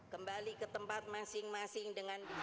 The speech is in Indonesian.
kembali ke tempat masing masing dengan